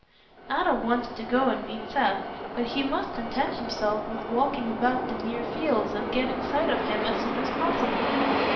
Adam wanted to go and meet Seth, but he must content himself with walking about the near fields and getting sight of him as soon as possible.